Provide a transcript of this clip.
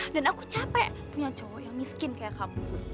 dan aku capek punya cowok yang miskin kayak kamu